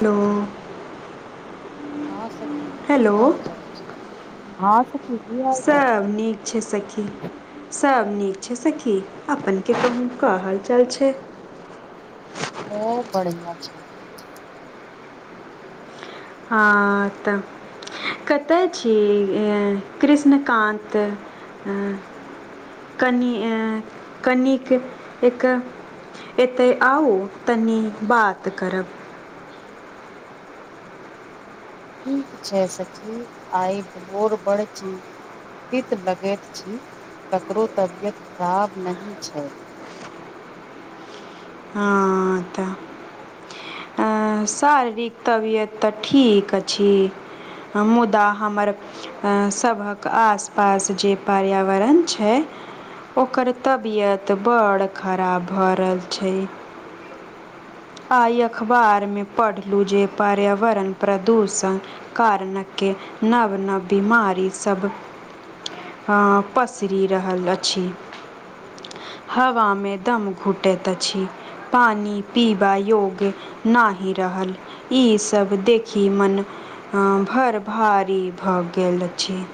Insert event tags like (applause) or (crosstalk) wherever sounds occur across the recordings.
Hello- हँ सखी की हेलो हाल-चाल छै? हँ सखी- की हाल चाल छै सभ नीक। छै सखी। सब नीक छै सखी, अपनके कहु का हालचाल छै? सब बढ़िआं छै। हां त- कत छी एंअ - कृष्णकान्त? कनीएं कनिक एक- एतय आउ, तनी बात करब। ठीक छै सखी आइ भोर बड़ ची- तीत बगैत छी ककरो तबियत खराब नही छै। हँ त- अँ शारीरिक तबियत त ठीक छी, मुदा हमर अँ सभक आस पास जे पर्यावरण छै ओकर तबियत बड़ खराब भ रहल छैय। आइ अखबार में पढ़लू जेे पार्यावरण प्रदूषण कारण के नब नब बिमारी सब हँ पसरी रहल अछी। हवा में दम घुटैत अछी। पानी पीबा योग नाही रहल, ई सभ देखी मन हँ भड़ भारी भ गेल अछी।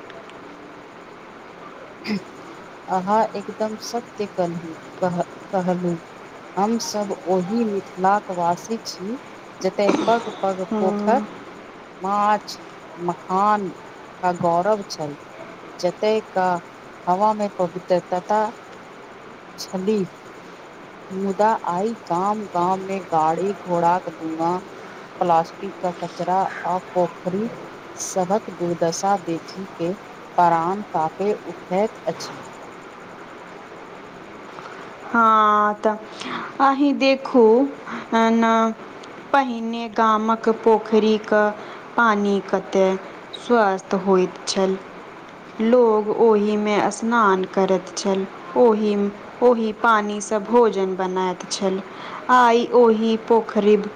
अहाँ एकदम सत्य कनहूं कह कहलूं। हमसभ ओही मिथिलाक वासी छी जेतय पग पग पोखर माछ, मखान क गौरव छैय। जतेक हवामें पवित्रतता छली। मुदा आइ गाम गाम में गाड़ी घोड़ाक धुआं प्लास्टिक कऽ कचरा आ पोखरी सभक दुर्दशा देखी के पराण कांपे उठैत अछी। हँ तऽ अहीं देखू अँ न पहिने गामक पोखरी क पानी कतेय स्वस्थ होइत छल। लोग ओहीमें स्नान करैत छल, ओहीम ओही पानी से भोजन बनाइत छल। आइ ओही पोखरिब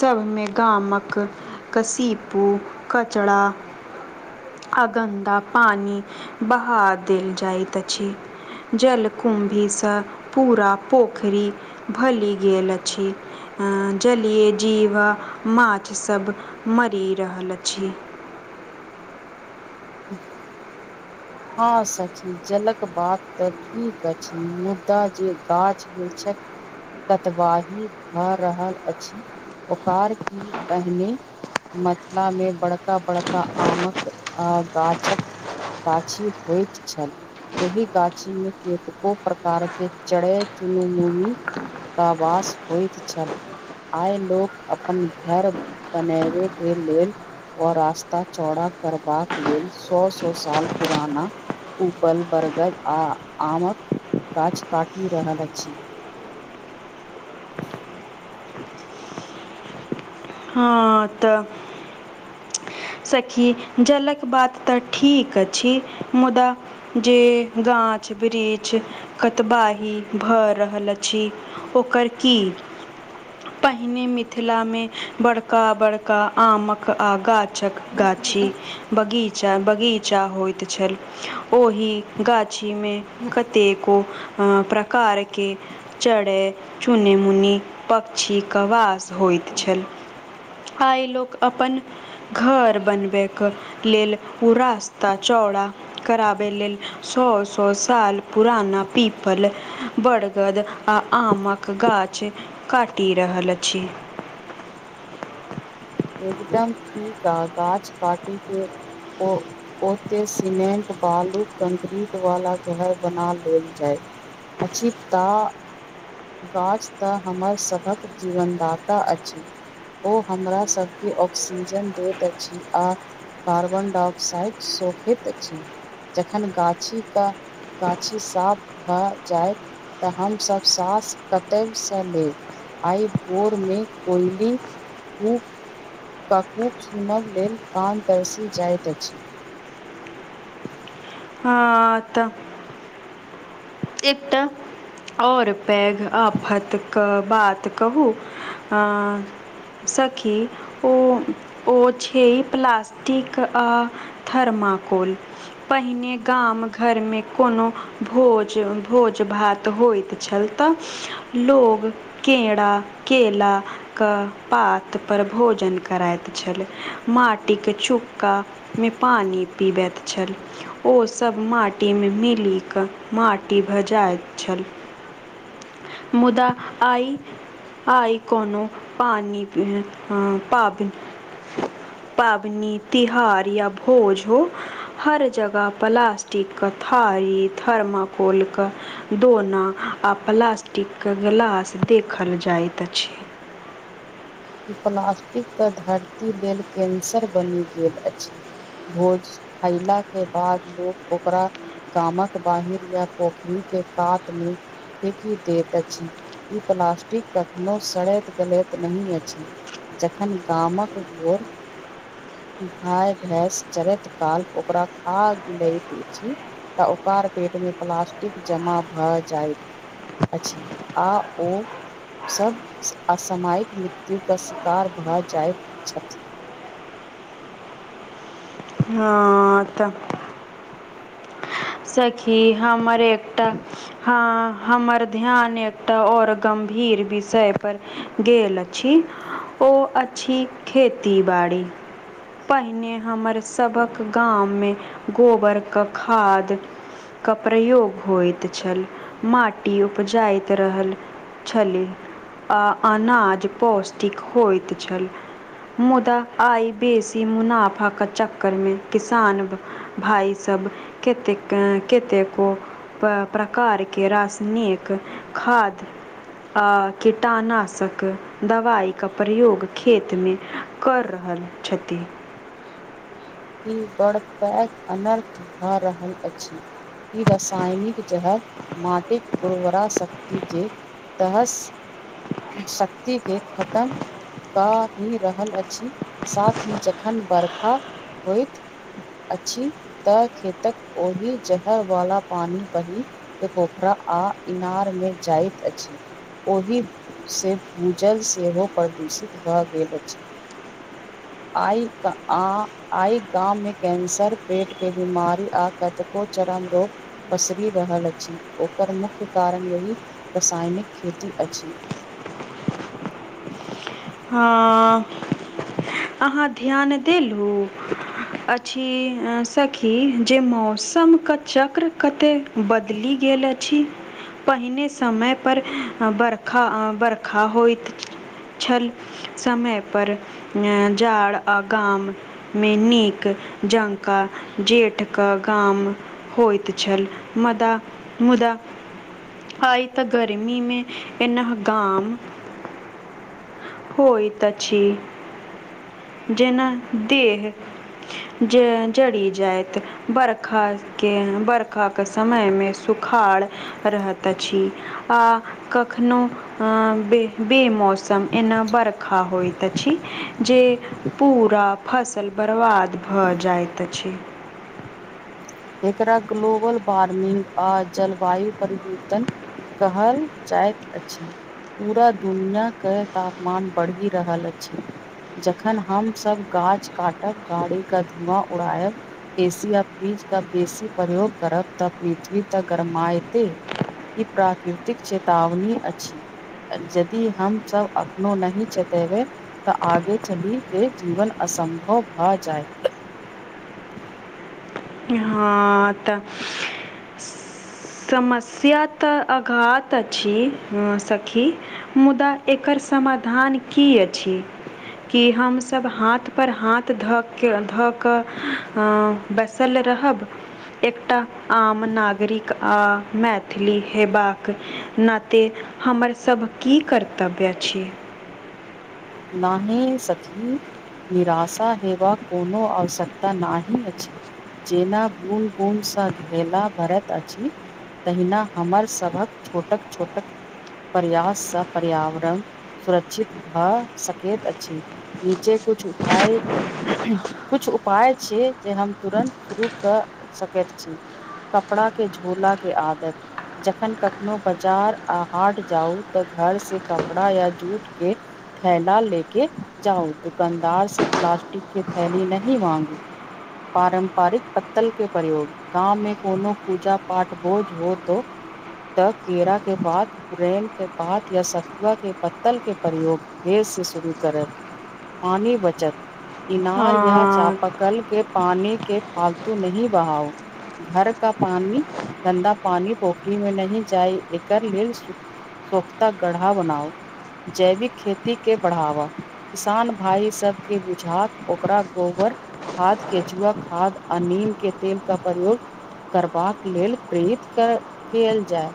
सभमें गामक कसीपू कचड़ा आगंदा पानी बहा देल जाइत अछी। जलकुम्भी सऽ पूरा पोखरी भलि गेल अछी। अँ जलिय जीवा, माछ सभ मरी रहल अछी। हँ सखी जलक बात तऽ ठीक अछी मुद्दा जे गाछ वृक्षक कतबाही भ रहल अछी, ओकार की पहिने मैथला में बड़का बड़का आमक आ गाछक--गा छी होइत छल। ओहि गाछी में केतको प्रकार के चड़़ैत चुनमुनमुनी आवास होइत छल। आइ लोक अपन घर बनेबे के लेल अ रास्ता चौड़ा करबाक लेल सौ सौ साल पुराना उपल, बरगद, आ आमक गाछ काटी रहल अछी। हँ तऽ सखी जलक बात तऽ ठीक अछी मुदा जे गाछ वृक्ष कतबाही भऽ रहल अछी ओकर की? पहिने मिथिला में, बड़का बड़का आमक आ गा छक गाछी बगीचा बगीचा होइत छल। ओही गाछी में कतेको हाँ प्रकारके चिड़ैं चुनिमुनि पक्षीके वास होइत छल। आइ लोक अपन घर बनबैके लेल उ रास्ता चौड़ा कराबै लेल सौऽ- सौऽ साल पुराना पीपल बड़गद आ आमक गाछ काटि रहल अछि। एकदम ठीक आ गाछ काटै के ओ ओतेक सीमेंट बालू कंक्रीटवाला घर बना लेल जायत। (unintelligible) गाछ तऽ हमर सभक जीवनदाता अछि ओ हमरा सब के ऑक्सीजन दैत अछि आ कार्बन डाऑक्साड सोखैत अछि। जखन गाछीे क गाछे साफ भऽ जायत तऽ हमसभ साँस कतयसँ लेब। आइ भोरमें कोयली खूब ककूक सुनब लेल कान तरसि जाइत अछि। हाँ तऽ एक तऽ आओर पैघ आफतकेँ बात कहू अं सखी ओ - ओ छै प्लासटिक आ थर्माकोल पहिने गाम घर मे कोनो भोज भोज भात होइत छल तऽ लोग केड़ा केेला के पात पर भोजन कराइत छलय माटिक चुक्का मे पानी पीबैत छल ओसभ माटी मे मिल कऽ माट टी भऽ जाइत छल मुदा आइ आइ कोनो पानि ह-ह पाबनि पाबनी तिहार या भोज हो हर जगह प्लास्टिकके थारी थर्माकोलके दोना आ प्लास्टिक के गिलास देखल जाइत अछि। इ प्लास्टिक तऽ धरती लेल कैन्सर बनि गेल अछि। भोज खयलाक के बाद लोक ओकरा गामक बाहर या पोखरी के कात में फेकी दैत अछि ई प्लास्टिक कखनो सड़ैत गलैत नय अछि। जखन गामक घोर भाय भैंस चरैत काल ओकरा खा लैत अछि। तऽ ओकर पेट मे प्लास्टिक जमा भऽ जायत अछि, आ ओ सभ असमयक के शिकार भऽ जाइत छथि। हँ तऽ। सखी हमर एकटा हँ हमर ध्यान एकटा और गम्भीर विषय पर गेल अछि, ओ अछि खेती बाड़ी। पहिने हमरसभक गाममे गोबर के खाद के प्रयोग होइत छल माटी उपजाइत रहल छलै, आ अनाज पौष्टिक होइत छल। मुदा आई बेसी मुनाफा के चक्कर में किसान भाई सब कतेक कतेको प्रकार के रासायनिक खाद आ कीटानाशक दवाइ के प्रयोग खेत मे कर रहल छथि। ई बड़ पैघ अनर्थ भऽ रहल अछि। ई रसायनिक जहर माटिक उर्वरा शक्ति के तहस शक्ति के खतम क ही रहल अछि साथ ही जखन बर्खा होइत अछि तऽ खेतक ओहि जहर वाला पानी बहि के पोखरा आ इनार मे जाइत अछि। ओहि से भूजल सेहो प्रदूषित भऽ गेल अछि। आइ क आं आइ गाम मे कैंसर पेट के बीमारी आ कतको चरम रोग पसरि रहल अछि ओकर मुख्य कारण यही रसायनिक खेती अछि। हँ अहाँ ध्यान देलू। अछि सखी जे मौसम के चक्र कतेक बदलि गेल अछि। पहिने समय पर बरखा आ बरखा होइत छल। समय पर ने जाड़ आ गाम मे नीक जंका जेठ क गाम होइत छल मुदा- मुदा आइ तऽ गर्मी मे एनाह गाम होयत अछि जेना देह जे जड़ी जायत बरखा के बरखा के समय मे सुखाड़ रहैत अछि आ कखनो बे - बेमौसम एना बरखा होइत अछि जे पूरा फसल बर्बाद भऽ जाइत अछि। एकरा ग्लोबल वार्मिंग आ जलवायु परिवर्तन कहल जाइत अछि। पूरा दुनिया के तापमान बढ़ि रहल अछि। जखन हम सब गाछ काटब गाड़ी के धुआँ उड़ायब एसी आ फ्रिज के बेसी प्रयोग करब तऽ पृथ्वी तऽ गरमाएते ई प्राकृतिक चेतावनी अछि। जदि हम सब अखनो नहि चेतेवै तऽ आगे चलिके जीवन असम्भव भऽ जायत। हँ तऽ समस्या तऽ अघात अछि अ सखी, मुदा एकर समाधान की अछि? कि हम सभ हाथ पर हाथ ध के धऽ कऽ बस बैसल रहब। एकटा आम नागरिक आ मैथिली हेबाक ना नाते हमर सभके की कर्तव्य अछि? नहि सखी। निराशा हेबाक कोनो आवश्कता नहि अछि। जेना बून बून सा घेला भरत अछि। तहिना हमर सभक छोटक छोटक। प्रयास सँ पर्यावरण सुरक्षित भ सकेत अछि नीचे कुछ उपाय। कुछ उपाय छै जे हम तुरन्त शुरू कऽ सकैत छी। कपड़ा के झोला के आदत। जखन कखनो बाजार आ हाट जाउ तऽ घर से कपड़ा या जूट के। थैला लेके जाउ दुकानदार से प्लास्टिक के थैली नहि मांगू। पारंपरिक पत्तल के प्रयोग। गाँव में कोनो पूजा पाठ भोज हो तो। तऽ केरा के पात पुरेन के पात या सतुआ के पत्तल के प्रयोग फेर से शुरू करत पानि बचत। इनार या हँ चापकल के पानी के फालतू नहि बहाव। घर का पानी गन्दा पानी पोखरि मे नहि जाइ एकर लेल सु सोख्ता गढ़ा बनाउ जैविक खेत कि के बढ़ावा किसान भाई सबके बुझात ओकरा गोबर। खाद केचुआ खाद आ नीम के तेल का प्रयोग। करबाक लेल प्रेरित क केल जाय।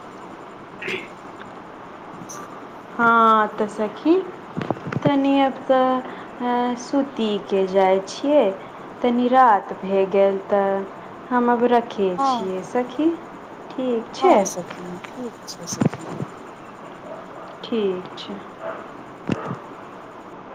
(unintelligible) आब तअ सखी तनी अप हां सूतीके जाइ छियै। तनी रात भेए गेल तऽ हम आब रखै हँ छियै सखी। ठीक छै हँ सखी ठीक छै सखी ठीक छै।